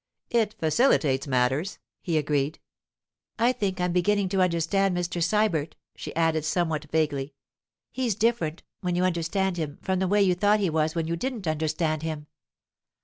'It facilitates matters,' he agreed. 'I think I'm beginning to understand Mr. Sybert,' she added somewhat vaguely. 'He's different, when you understand him, from the way you thought he was when you didn't understand him.